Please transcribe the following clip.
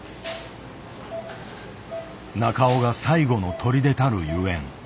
中尾が「最後の砦」たるゆえん。